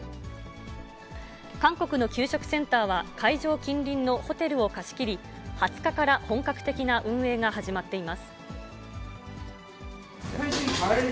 韓国の給食センターは、会場近隣のホテルを貸し切り、２０日から本格的な運営が始まっています。